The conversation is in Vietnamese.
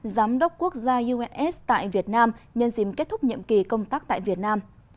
giám đốc quốc gia uns tại việt nam nhân dìm kết thúc nhiệm kỳ công tác tại việt nam